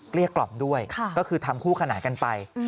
เรียกกล่อมด้วยก็คือทำคู่ขนานกันไป